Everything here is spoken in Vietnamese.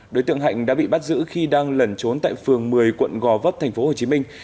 đối tượng hạnh đã bị bắt giữ khi đang lẩn trốn tại phường một mươi quận gò vấp thành phố hồ chí minh